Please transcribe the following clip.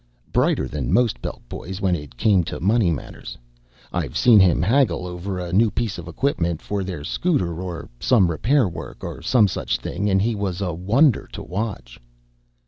Brighter than most Belt boys when it came to money matters. I've seen him haggle over a new piece of equipment for their scooter, or some repair work, or some such thing, and he was a wonder to watch."